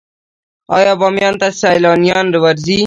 آیا بامیان ته سیلانیان ورځي؟